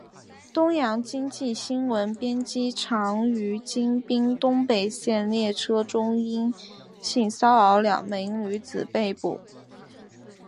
东洋经济新闻编辑长于京滨东北线列车中因性骚扰两名女子被捕。